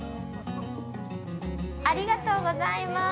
◆ありがとうございます。